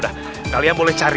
sampai kapasnya buji sabar